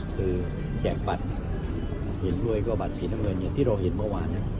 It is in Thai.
คือแจกบัตรเห็นด้วยก็บัตรสีน้ำเงินอย่างที่เราเห็นเมื่อวาน